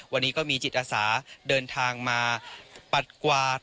วันนี้ก็มีจิตอาสาเดินทางมาปัดกวาด